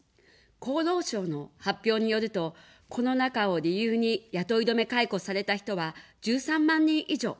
厚労省の発表によると、コロナ禍を理由に雇い止め解雇された人は１３万人以上。